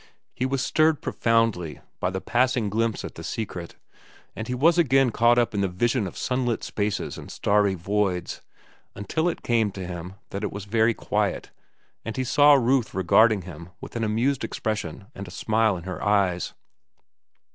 He was stirred profoundly by the passing glimpse at the secret, and he was again caught up in the vision of sunlit spaces and starry voids—until it came to him that it was very quiet, and he saw Ruth regarding him with an amused expression and a smile in her eyes.